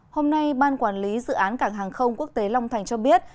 hôm nay ban quản lý dự án cảng hàng không quốc tế long thành cho biết